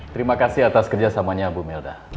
terima kasih atas kerjasamanya bu melda